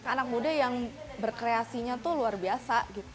anak muda yang berkreasinya tuh luar biasa